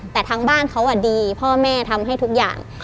แต่ทางบ้านเขาดีพ่อแม่ทำให้ทุกอย่าง